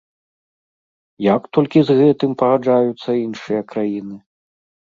Як толькі з гэтым пагаджаюцца іншыя краіны?!